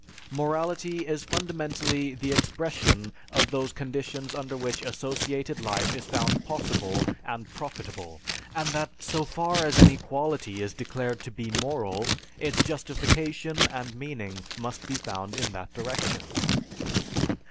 Morality is fundamentally the expression of those conditions under which associated life is found possible and profitable, and that so far as any quality is declared to be moral its justification and meaning must be found in that direction.